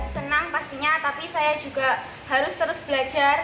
senang pastinya tapi saya juga harus terus belajar